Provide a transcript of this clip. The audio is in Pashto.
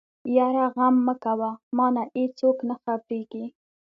يره غم مکوه مانه ايڅوک نه خبرېږي.